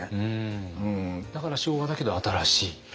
だから昭和だけど新しい？